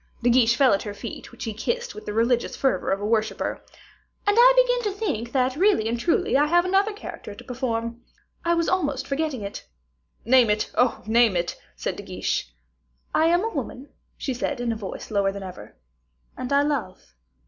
De Guiche fell at her feet, which he kissed, with the religious fervor of a worshipper. "And I begin to think that, really and truly, I have another character to perform. I was almost forgetting it." "Name it, oh! name it," said De Guiche. "I am a woman," she said, in a voice lower than ever, "and I love."